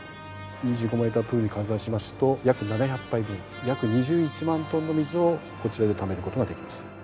２５メータープールに換算しますと約７００杯分約２１万トンの水をこちらで貯める事ができます。